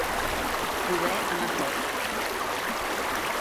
Poder anar sol.